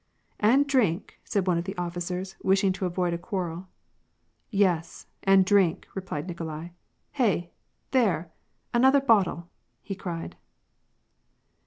" And drink," said one of the officers, wishing to avoid a quarrel. " Yes, and drink," replied Nikolai. " Hey I there ! another bottle !" he cried.